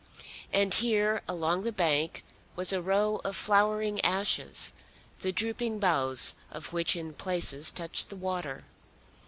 And here, along the bank, was a row of flowering ashes, the drooping boughs of which in places touched the water.